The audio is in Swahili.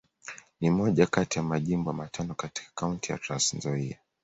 Ni moja kati ya Majimbo matano katika Kaunti ya Trans-Nzoia.